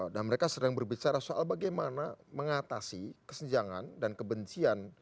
dan mereka sedang berbicara soal bagaimana mengatasi kesenjangan dan kebencian